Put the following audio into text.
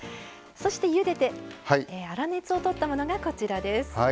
そしてゆでて粗熱を取ったものがこちらです。